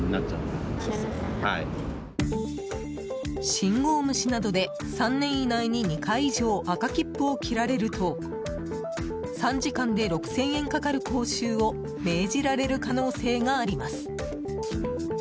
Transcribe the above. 信号無視などで、３年以内に２回以上赤切符を切られると３時間で６０００円かかる講習を命じられる可能性があります。